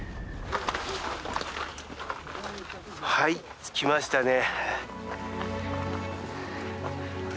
はい着きましたね。